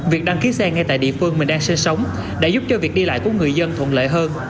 việc đăng ký xe ngay tại địa phương mình đang sinh sống đã giúp cho việc đi lại của người dân thuận lợi hơn